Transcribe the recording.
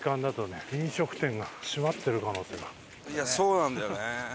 いやそうなんだよね。